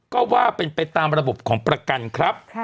ก็ว่าเป็นไปตามระบบของประกันครับ